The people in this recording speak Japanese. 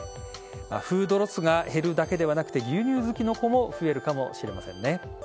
フードロスが減るだけではなくて牛乳好きの子も増えるかもしれませんね。